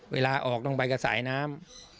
เวลาออกต้องไปกับสายน้ำ